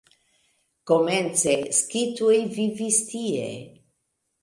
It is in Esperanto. Komence skitoj vivis tie.